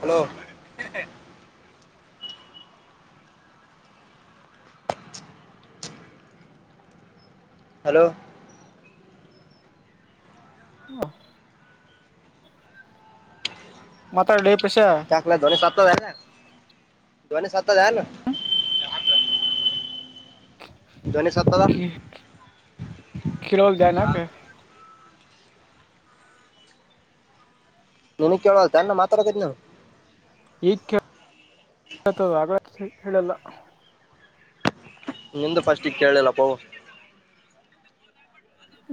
[inaudible] Hello [inaudible] hello ಹ ಮಾತಾಡೆ ಏ ಯಾಕೋಲೆ ದೊರೆ ಸತ್ತೋದ ಏನಲೆ ಧ್ವನಿ ಸತ್ತಾಳ ಏನ ಕೀ ಕೀಳವಾದನ್ಯಕ್ ಧ್ವನಿ ಕೇಳವಾತ ಏನ ನಾ ಮಾತಾಡಕತ್ತಿದೇನ ಈಗ್ ಆ ಕೇಳತದ ಆಗಲ್ಲೇ ಸಾ ಕೇಳಲಿಲ್ಲ ನಿಂದು ಫಸ್ಟು ಕೇಳಿಲ್ಲಪ್ಪವೋ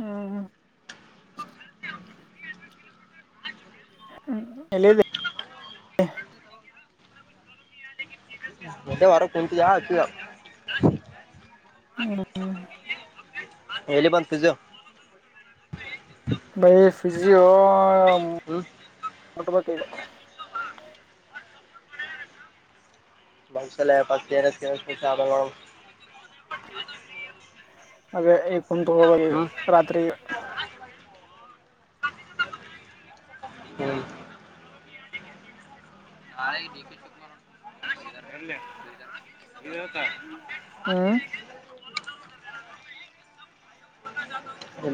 ಹ್ಮ್ ಹ್ಮ ಎಲ್ಲಿ ಅದಿ ಇ ಮತ್ತೆ ಹೊರ ಕುಂತೀಯಾ ಹಚ್ಚಿದೆ ಹ್ಮ ಎಲ್ಲಿ ಬಂತ ಪಿಜೂ ಮಫಿಸಿಯೋ ಹ್ಮ್ ಮುಟ್ಬೇಕೈದ ಮನಸಲ್ಲೇ ಪತ್ತೇನಸ ಸ್ಪಗಳಗಳು [unintelligible] ರತ್ರಿ ಹ್ಮ ಹಾ ಶ ಹ್ಮ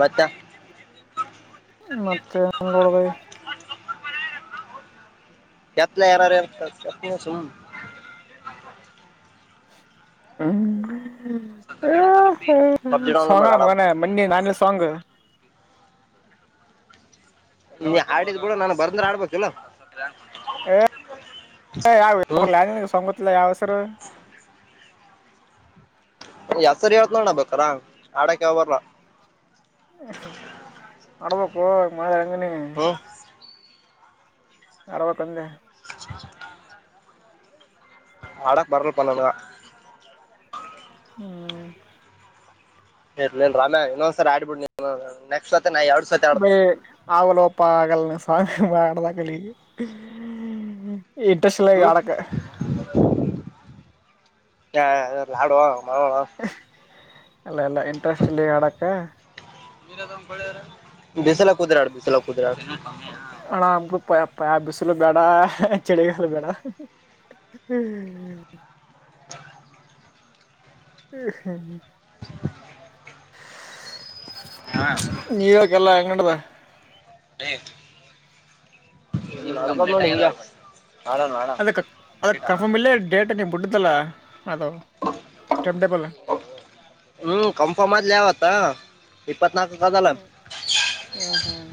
ಮತ್ತ ಮತ್ತೆ ನೋಡ್ಬ ಕೆತ್ಲ ಯಾರಾರ ಯಾರತ ಸ ಹ್ಮ ಪಬ್ಜಿ ಡೌನ್ಲೋಡ್ ಮಾಡಿ ಸಂಗಣ ಮುಗ ಆಡಮ್ ಮ ನಾನಿ ಸಾಂಗ ನೀ ಆಡಿದ್ ಕೂಡ ನಾನು ಬರಂದ್ರೆ ಆಡ್ಬೇಕುಲ್ಲ [unintelligible] ಹ್ಞೂ ಯಾವ ಸಂಗತ್ ಇಲ ಯ ಅವಸರ ಯ ಸರಿ ಹೇಳ್ತ ನೋಣ ಬೇಕ್ರ ಆಡಕ ಹಬರ ಮಡವಾಪ್ಪ ಮಳೆ ಅಂಗನ ಹ್ಞೂ ಅರವತ್ತೊಂದೇ ಹಡಕ್ ಬರಲ್ ಪಣಣ ಹ್ಮ್ ಇರ್ಲೇನ್ ರಾಮೇ ಇನ್ನೊಂದ್ ಸರ್ ಆಡ್ಬಿಡ್ ನೆಕ್ಸ್ಟ್ ನಾ ಎರಡ್ ಸತಿ ಬ ಆಡ್ತೀನಿ ಆಗಲಪ್ಪ ಆಗಲ್ಲ ಹ ಮಾಡ್ದ ಕಲಿ ಇಟ್ಟ ಚಿಲ್ಲ ಹ್ಮ್ ಕಡಕ್ಕೆ ಹಾಡುವಾ ಮಾಡ ಅಲ್ಲ ಎಲ್ಲ ಇಂಟ್ರೆಸ್ಟ್ ಇಲ್ಲಿ ಹಡಕ್ಕ ಬಿಸಲ ಕುುದ್ರಾಡ್ ಬಿಸಲ ಕುುದ್ರಾಡ್ ಪಪ್ಪ ಬಿಸಲು ಬೇಡ ಚಿಳಿಗಾಲ ಬೇಡ [inaudible] ಹ್ಮ ಹ್ಮ್ ಹ್ಮ ನೀರಕಲ್ಲಾ ಅಂಗಡದ [inaudible] ಆಡೋಣ ಅದ ಅದ ಕನ್ಫರ್ಮ್ ಇಲ್ಲೇ ಡೇಟ್ ನೀಡ್ಡ್ದಲ್ಲ ಅದು ಟಂಟಬಲ್ ಹ್ಮ್ ಕಂಫರ್ಮ್ ಆದ್ಲಾವತ್ತಾ ಪತ್ನಾಕ ಕಲ್ಲ ಹ್ಮ್ ಹ್ಮ್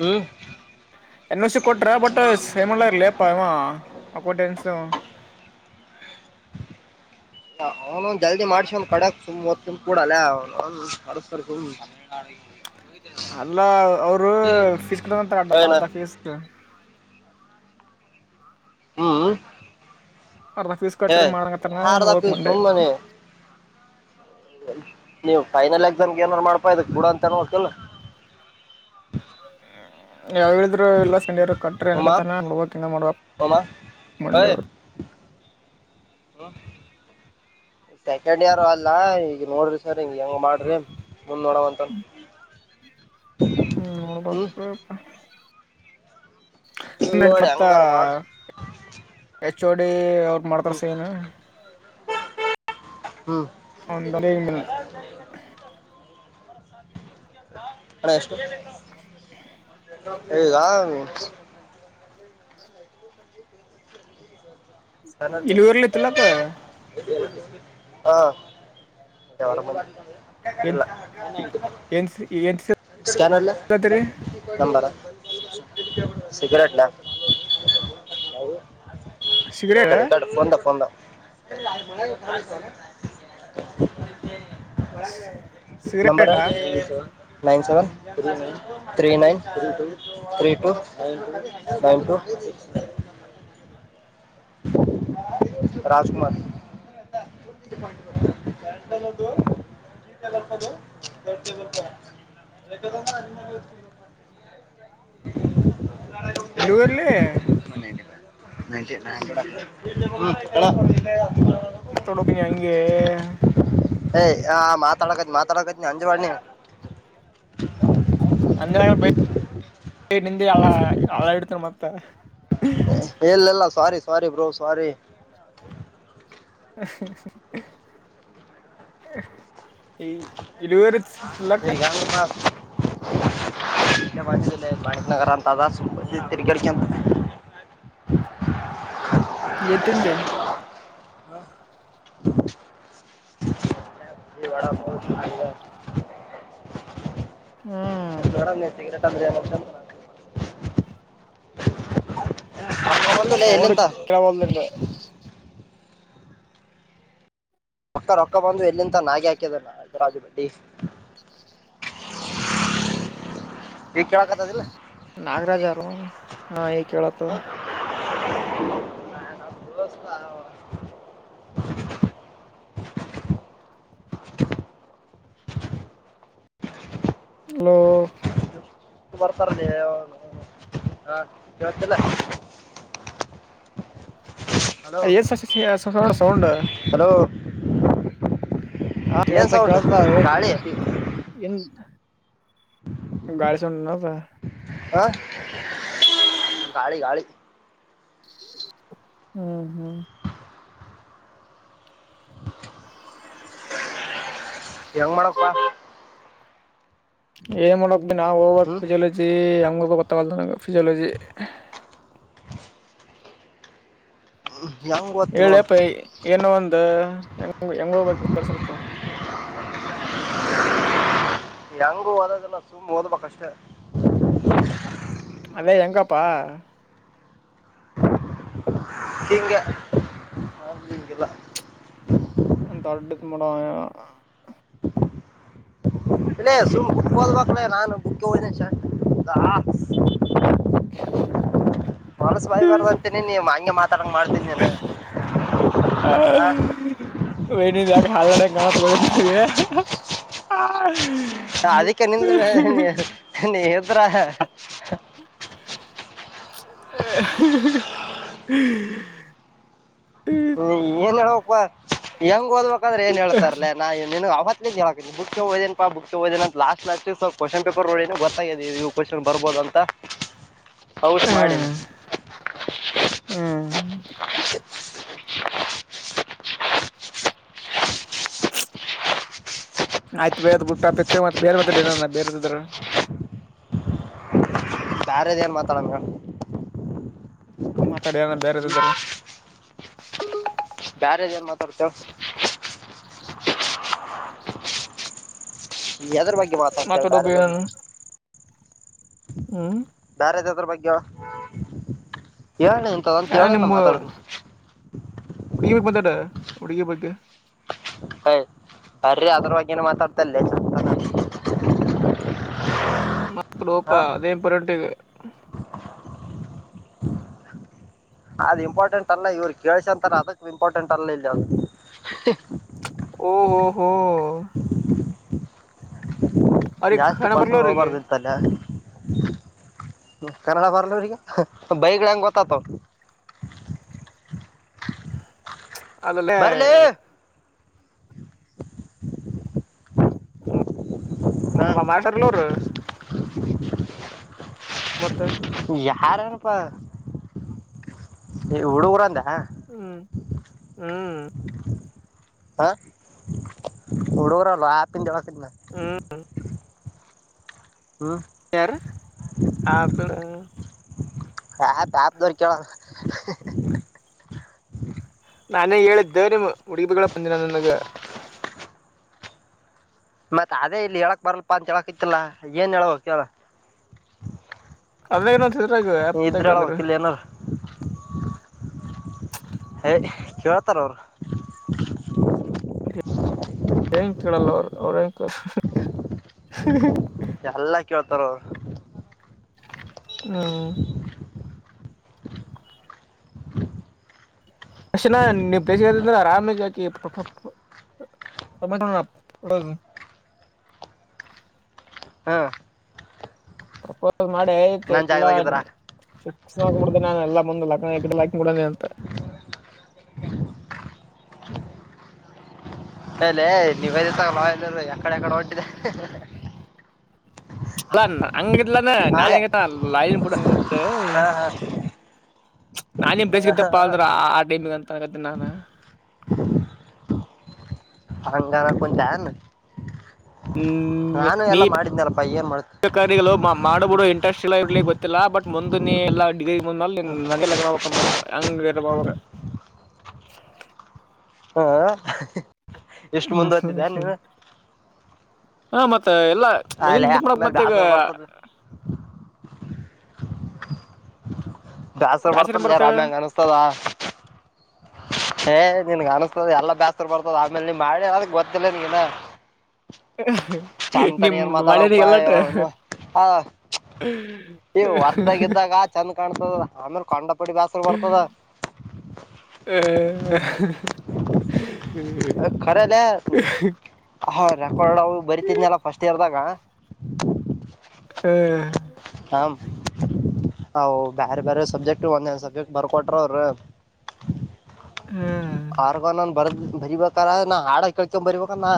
ಹ್ಮ್ ಎನ್ ಸಿ ಕೊಟ್ರ ಬಟ್ ಸೇಮ್ ಲೇ ಪ ಆಕ ಟೆನ್ಶನ್ ಅವನೊಂದ ಜಲ್ದಿ ಮಾಡ್ಸಿ ಒಂದ್ ಕಡಕ್ ಸುಮ್ದ್ ತು ಕೂಡಲ್ಲ ಅವ ಅಲ್ಲ ಅವರು ಫೀಸ್ ಕಟ್ಂತಾರೆ ಅಡ ಏನ ಅಧ ಫೀಸ್ ಹ್ಮ್ ಅರ್ಧ ಫೀಸ್ ಏ ಕಟ್ರಿ ಮಾಡಂಗತ್ರನ ಹಾರ್ದಕ್ ನೋಡಕ್ ಮಂಡೆ ಸುಮ್ಮನೆ ನೀವ್ ಫೈನಲ್ ಎಕ್ಸಾಮ್ಗೆ ಏನಾದಾರರು ಮಾಡ್ಪಾ ಕೂಡ ಅಂತನ್ಕಲ್ಲ ಯಾವ್ ಹೇಳಿದ್ರು ಎಲ್ಲ ಸೆಕೆಂಡ್ರ್ ಕಟ್ಟ್ರೆ ಉಮಾ ಏನಕತಾನ ನೋಡವೋಕಂತ ಮಾಡ್ಬೇಕು ಉಮಾ ಮಂಡೆದು ಹಲೋ ತೆಕೆಡ್ ಯಾರು ಅಲ್ಲಾ ಈಗ ನೋಡ್ರಿ ಸರ್ ಹಂಗ ಹೆಂಗ ಮಾಡ್ರಿ ಮುಂದ್ ನೋಡವಂತನ್ ಹ [unintelligible] ಹ್ಮ್ ಹೌದು ಹೂ. ಹ್ಮ್, [unintelligible] ನೋಡಿ ಮತ್ತ. ಹಂಗಾರ ಮಾಡ್ ಎಚ್ಚೋಡಿ ಅವ್ರ ಮಾಡ್ತಾರ ಹ್ಮ್ ಸೈನು. ಹ್ಮ. ಒಂದ ಅಣ ಎಷ್ಟು. ಹೇಯ್. [inaudible] ಸ್ಕ್ಯಾನರ್ಲೆ ಇಲ್ಲಿ ಊರಲ್ಲಿ ಇತ್ತುಲ್ಲಕ್ಕ. ಹಾ. [inaudible] ಏನ್ ಇಲ್ಲ. ಏನ್ ಏನ್ [inaudible] ಸ್ಕಾನರ್ಲ್ಲ ಸಿಗತ್ರಿ ನಂಬರ. ಸಿಗರೇಟ್ಲ್. ಸಿಗರೇಟ್ ಇಕಡೆ ಇಕಡೆ ಫೋನ್ದ ಫೋನ್ದ. [inaudible] ನಂಬರ ಸಿಗರೇಟಾ ಹೇಳ. Nine seven three nine three two nine to. [inaudible] Rajkumar. Bag ತಗಂದು. [inaudible] [inaudible] ಇಲ್ಲಿ ಊರ್ಲ್ಲಿ. ಹೂಂ ಅಣ. ಮತ್ತೋಡ್ಬ ನೀ ಹಂಗೆ. ಏಯ್ ಆ ಮಾತಾಡಕತಿ ಮಾತಾಡಕತ್ ನೀ ಅಂಜವಾಡ ನೀ. ಹೇ ಹಳ್ಳ ಹಳ್ಳ ಇಡ್ತರಿ ಮತ್ತ. ಇಲ್ಲ ಇಲ್ಲ ಸ್ವಾರಿ ಸ್ವಾರಿ ಬ್ರೋ ಸ್ವಾರಿ. [inaudible] ಇಲ್. [inaudible] ವೈಟ್ನಗರಂತ ಆದಾ ಸುಮ್ ಬಂದಿದ್ವಿ. ತಲೆ ಕೇಡೇಸ್ಕಿಂತಿ. ಎತ್ತಿನ್ಲೇ. ಈ ವಡ ಪಾವ್ ಅಲ್ಲೇ. ಹೂ. ನೋಡಮ್ ಹೇಳ್ ಸಿಗರೇಟ್ ಅಂದ್ರೆ ಎನ್ ಅಂತ. ರೊಕ್ಕ ಬಂದಿಲ್ಲ ಎಲ್ಲಿಂತ ಸೌಂಡ್ ಕೇಳವಲ್ದು ನಿಂದು. ರೊಕ್ಕ ರೊಕ್ಕ ಬಂದು ಎಲ್ಲಿಂತ ನಾಗೆ ಹಾಕಿದ ರಾಜರು ಬಟ್ಟಡಿ. ಈಗ ಕೇಳಕತದಿಲ್ಲ. ನಾಗರಾಜರ ಹಾ ಈ ಕೇಳತ. [inaudible] [inaudible] ಹೋ. ಇಷ್ಟು ಬರ್ತಾರಲ್ಲಿ ಹಾ ಕೇಳತ್ತಿಲ್ಲ. ಹಲೋ ಅದ ಏನ್ ಸೌಂಡ್ ಹಲೋ. ಹಾ ಏನ್ ಕೇಳ್ತಾ ಸೌಂಡ್ ಕೇಳ್ತಾ ಹೇಯ್. ಗಾಳಿ ಗಾಳಿ ಸೋಂಡ್ ಎನ್ ಅದು. ಹಾ ಗಾಳಿ ಗಾಳಿ. ಹ್ಮ್ ಹ್ಮ್. ಯಂಗ ಮಾಡಪ್ಪ. ಏನ್ ಮಾಡಕ್ ಪಾ ನಾವು ಹ್ಮ್ ಫಿಜಿಯಾಲಜಿ ಹಂಗ ಗೊತ್ತಾಗಲ್ಲನಗೆ ಫಿಜಿಯಾಲಜಿ. ಹೆಂಗ್ ಗೊತ್ತು ನೋಡ ಹೇಳ್ಯಪ್ಪ ಏನೋ ಒಂದ ಹೆಂಗ ಹೆಂಗ ಹೋದ್ಬೇಕು ಹೇಳ್ ಸ್ವಲ್ಪ. [inaudible] ಯಂಗೂ ಹಓದದಲ್ಲ ಸುಮ್ಮ್ ಓದ್ಬೇಕಷ್ಟೆ ಅದೇ ಹೆಂಗಪ್ಪಾ ಂಗೆ ಹ ಜಲ್ಲ ಂತೊಡ ಮಡ ಇಲ್ಲ ಸುಮ್ ಬುಕ್ ಹಲ್ಬೇಕಲ ನಾನು ಬುಕ್ಗೆ ಹೋದ ಬಳಸು ಬಾಯಬಾರ್ದ ಅಂತೇನಿ ನೀವು ಹಂಗೆ ಮಾತ್ರ ಚೆನ್ನಗೆ ಮಾಡ್ತೀನಿ ನು ಹ ವನ ಯಕ ಹಾಲಡ ಕಾಣಾತ ಹಾ್ಮ ಅದಕ್ಕೆ ನಿಿಂದ್ರ ನೀಿದ್ರ [inaudible] ಹ [unintelligible] ಹ್ಮ ಏನ್ ಹೇಳ್ಬೇಕಕ್ ಹೆಂಗ್ ಓದಬೇಕಂದ್ರೆ ಏನ್ ಹೇಳ್ತಾರಲ ನಾಿನಗ್ ಅವತ್ತ ಕ್ದೇ ಬುಕ್ ಓದೇ ಅಂತ ಲಾಸ್ಟ್ ಕ್ವಶನ್ ಪೇಪರ್ ನೋ ಗರ್ತ ಇವು್ನ್ ಬರ್ಬೋದು ಂತ ಔಷ ಹ್ಮ್ ಮಾಡಿನಿ [unintelligible] ಆಯ್ತು ಬೇದ್ ಬಿುಟ್ಟ ಮತ್ತೆ ಬೇರೆ ಮತ್ತ ಏನ ಬೇರೆದ್ರ ಯ್ಯಾರದ ಏನ್ ಮಾತಾಡೋಣ ಹೇಳ ಮಾತಾಡ ನ ಬೇರೆ್ದದಾರ ಬಾರದ ಏನ್ ಮಾತಾಡ್ತೇವೆ ಯದರ ಬಗ್ಗೆ ಮಾತಾಡ್ತಾಳ ಮಾತಾಡೋಬ ಬೇಾರೆದಂದ್ರ ಹ್ಮ್ ಯಾರ್ದದ್ರ ಬಗ್ಗೆ ಹೇಳನಂತದಂತ ಯಾ ಹೇಳೇನ ನಿಮ್ಮ ಮಾತಾಡತನಿ ಉಡುಗಿಯ ಬಗ್ಗೆ ಹಯ್ ಬರ್ರಿ ಅದ್ರ ಬಗೇ ನೆ ಮತ್ತಡ್ತಾನೆ ಹಾ ಮಕಡುೋಪಾ ಅದೇ ಇಂಪೋರ್ಟೇಂಟ್ ಅದು್ ಇಂಪಾರ್ಟೆಂಟ್ ಅಲ್ಲ ಇವ್ರರು ಕೇಳ್ಸಂತಾರ ಅದಕ್ ಇಂಪಾರ್ಟೆಂಟ್ ಅಲ್ಲ ಇಲ್ಲಿ ಅದು ಓಹೋ ಹೋ ಅವ್ರಿಗೆ ಜಾಸ್ತಿ ಹಣ ಬರ್ಲ ಪಸಂಗ ಅವ್ರಿಗೆ ಹೋಗಬಾರ್ದು ಇತ್ತಲ್ಲ ಕನ್ನಡ ಬಾರಲ್ಲ ನಿನ್ನ್ಗೆ ಬೈಕ್ಡ ಗೊತ್ತಾತ [unintelligible] ಅಲ್ಲ ಬರ್ಲಿ ಹಾ ಮಸರ್ಲೂರು ಮತ್ತೆ ಯಾರೇಏನಪ್ಪಾ ಹುಡುಗರ ಅಂದ ಹಾಂ ಹ್ಮ್ ಹ್ಮ್ ಹಾ ಹುಡೂರ ಲೋಯಪಂ ಜಳಕ ಮಾ ಹ್ಮ್ ಯಾರ ಆ ಹಾ ಪಾಪ ದಕಳ ನಾನೇ ಹೇಳಿದ್ದೇ ನಿಮ ಹುಡುಗಿ ಬಿಗಳ ಬಂದಿನ ನನ್ಗ ಮತ್ತತ್ ಅದೇ ಇಲ್ಲಿ ಹೇಳಕ್ ಬರಲ್ಪ ಅಂತ ಹೇಳಕ್ ಇತ್ತಲ್ಲ ಏನ್ ಹೇಳಳ್ಬೇಕತಲ್ಲ ಅಲ್ಲ ನತಿದ್ರಗ ಯಪ್ಪದ್ರ ಹೇಳ್ಬೇಕ್ ಇಲ್ಲ ಏನಾರ ಕೇಳ್ಥರಾ ಅವರು ಹೆಂಗ ಕೇಳಲ್ಲ ಅವ್ರ ಅವ್ರ ಹೆಂಗ ಎಲ್ಲ ಕೇಳ್ತಾರ ಅವರು ಹ್ಮ [inaudible] ಅಕ್ಷಣ ನೀ್ ಬೇಸದಂದ್ರೆ ಆರಾಮಗಾಕಿ ಟೊಮಟೋ ರೋು ಹ್ಮ್. ಪ್ರೊಪೋಸ್ ಮಾಡಿ ಆಯ್ತಿ ನನ್ ಇಲ್ಲ ಜಾಗದಾಗಿದ್ರ ಫಿಕ್ಸ್ ಮಾಡಕೊಂಡು ಬಿಡ್ತೀನಿ ನಾನು ಮುಂದ ಲಗ್ನ. ಲಗ್ನ ಆಕಿನ ಗುಡನೆ ಅಂತ. ಅಲಲೇ ನಿವೇದಿತಾ ಗಾ ನಿಯತಾಗಿ ಇರು ಯಕಡೆ ಯಕಡನೆ ಹೋಗತೀಯ ಅಲ್ಲ. ಅಲ್ಲಾ ಅಂಗ ಇದ್ಲೂ ಅಂದ್ರ ಆಲೆ ನಾಯಗತಾನ ನಾಯಿ ಬಿಡಂಗಿಲ್ಲ ಗೊತ್ತು. ಹಾ, [unintelligible] ನಾನ ಎನ್ ಹಾ, ಹಾ, ಬೀಸಿದಪ್ಪ ಹಾ. ಅಂದ್ರ ಆ ಟೈಮಿಗೆ ಅಂತ ಅನಾಕತಿನಿ ನಾನ. ಹಂಗಾನಕ್ಕತಿ ಏನ್ ನಾನು ಎಲ್ಲಾ ಮಾಡಿದ್ದಲ್ಲಪ. ಒಟ್ಟ ಕರೆಗಿಲ್ಲ ಮಾಡು ಬಿಡು ಇಂಟಸ್ಟ್ರ ಇರಲಿ ಬಿಡಲಿ ಗೊತ್ತಿಲ್ಲ ಬಟ್. ಮುಂದ ನೀ ಎಲ್ಲಾ ಡಿಗ್ರಿ ಮುಗದ ಮೇಲ ನೀ ನನ್ನೇ ಲಗ್ನ ಹಾಗಬೇಕು ಹಂಗ. ಡು ಮಾಡ ಹ್ಮ್ ಹ್ಮ್ ಇಷ್ಟು ಹ್ಮ್ ಮುಂದುಹೋಗತಿ ನೀ. ಹ್ಮ್ ಹಾ ಮತ್ತ ಎಲ್ಲಾ ಮದುವೆನಾ ಹಿಂದಕ್ಕ ಮಾಡಬೇಕು ಮತ್ತೆ ಈಗ. ಬ್ಯಾಸರ ಬರ್ತದ ಬ್ಯಾಸರ ಬರ್ತದ ಲೆ ರಾಮ್ಯಾ ಅಂಗ ಅನಿಸ್ತದ. ಏ ನಿನಗ ಅನಸ್ತದ ಎಲ್ಲಾ ಬ್ಯಸ್ರ್ ಬರ್ತದ ಆಮೇಲೆ ನೀ ಮಾಡಿಲ್ಲ ಅದಕ್ಕ ಗೊತ್ತಿಲ್ಲ ನಿನ. [unintelligible] ತಾನ ಏನ್ ಮಾತಾಡಬೇಕು ಮಳೆನ ಪ ಇ ಎಲ್ಲಟ ನೌನ. ಇ ಹೊಸದಾಗ ಇದಾಗ ಚೆಂದ ಕಾಣ್ಸದ ಆಮೇಲ ಕಂಡ ಪಟ್ಟಿ. ಕಂಡ ಪಟ್ಟಿ ಬ್ಯಾಸರ ಬರ್ತದ. ಖರೇಲೆ [unintelligible] ರೆಕಾರ್ಡ್ ಅವು ಇವು ಬರಿತಿದೇ ಅಲ್ಲ ಫಸ್ಟ್ ಇಯರ್ದಾಗ. ಹ್ಮ್. [inaudible] ಅವು ಬೇರೆ ಬೇರೆ ಸಬ್ಜೆಕ್ಟ್ ಒಂದೊಂದೆ ಸಬ್ಜೆಕ್ಟ್ ಬರದು ಕೊಟ್ಟರ ಅವರು. ಹ್ಮ್ಮ. ಆರ್ಗನ ಒಂದು ಬರದ ಬರಿಬೇಕಾರ ನಾ ಹಾಡ ಕೇಳಕೊಂಡು ಬರಿಬೇಕ ನಾ.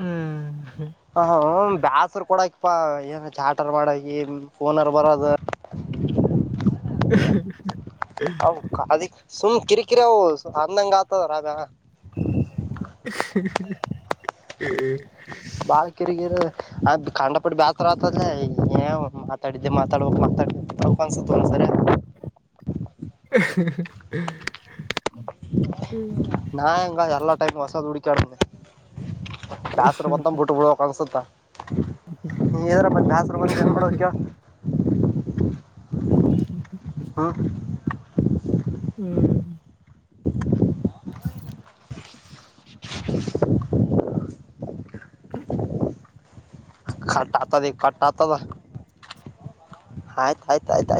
ಹ್ಮ್. ಹ್ಮ್ಮ್ ಹ ಬ್ಯಾಸರ್ ಕೊಡ. ಪ್ಪ ಏನ ಚಾಟರ್ ಮಾಡಕಿ ಫೋನರ ಬರೋದು. [unintelligible] ಅವು ಕಾಲ್ಡಿಕಿ ಅವು ಸುಮ್ ಕಿರಿಕಿರಿ ಅವು ಅಂದಂಗ ಆಗತದ ಏನು ಯಾವ್. [unintelligible] ಬಾಳ ಕಿರಿಕಿರಿ. ಅದ್ ಖಂಡ ಪಟ್ಟ ಬ್ಯಾಸರ ಆತದ ಏ ಮಾತಾಡಿದ್ದೆ ಮಾತಾಡ್ಬೇಕ ಮಾತಾಡಬೇಕು ಅನ್ಸುತ್ತ ಒಂದಸ. ಬರೆಕತಿ. [unintelligible] ಹ್ಮ್ ನಾ ಎಂಗಾ ಮಾಡಿದ ಎಲ್ಲ ಟೈಪ್ ಹೊಸದ ಹುಡಿಕಾಡತೀನಿ. ಬ್ಯಾಸರ ಬಂತಂದ್ರ ಬಿಟ್ಟು ಬಿಡಬೇಕು ಅನ್ಸುತ್ತಾ. ಇಂಗ್ ಇದ್ರ ಮತ್ತೆ ಬ್ಯಾಸರ ಬಂದ್ರ ಏನ ಮಾಡಬೇಕು ಹೇಳು. ಹ ಹ್ಮ. ಹ್ಮ್. [inaudible] ಕಟ್ ಆಗ್ತದ ಈಗ ಕಟ್ಟ ಆಗ್ತದ ಆಯ್ತ ಆಯ್ತ ಆಯ್ತಾ.